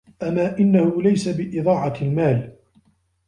أَمَا إنَّهُ لَيْسَ بِإِضَاعَةِ الْمَالِ